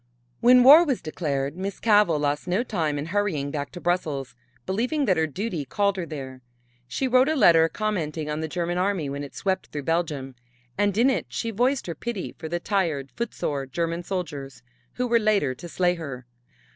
When war was declared Miss Cavell lost no time in hurrying back to Brussels, believing that her duty called her there. She wrote a letter commenting on the German army when it swept through Belgium and in it she voiced her pity for the tired, footsore German soldiers, who were later to slay her.